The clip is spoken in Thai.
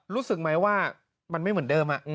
รู้สึกไหมว่ามันไม่เหมือนเดิม